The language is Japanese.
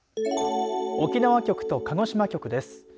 沖縄局と鹿児島局です。